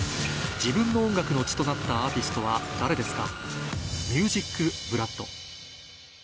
自分の音楽の血となったアーティストは誰ですか？